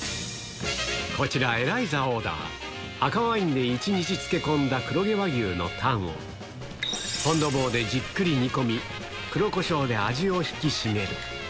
こちら、エライザオーダー、赤ワインで１日漬け込んだ黒毛和牛のタンを、フォンドボーでじっくり煮込み、黒コショウで味を引き締める。